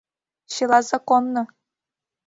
— Чыла законно!